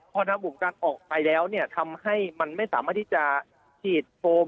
เพราะว่าอุปกรณ์ออกไปแล้วทำให้มันไม่สามารถที่จะฉีดโฟม